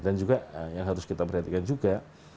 dan juga yang harus kita perhatikan juga